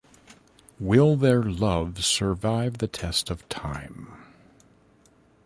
Will their love survive the test of time?